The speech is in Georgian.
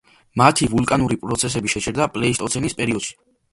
მათი ვულკანური პროცესები შეჩერდა პლეისტოცენის პერიოდში.